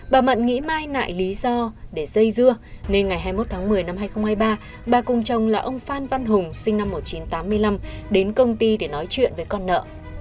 bà mận nghĩ mai nại lý do để dây dưa nên ngày hai mươi một tháng một mươi năm hai nghìn hai mươi ba bà cùng chồng là ông phan văn hùng sinh năm một nghìn chín trăm tám mươi năm đến công ty để nói chuyện với con nợ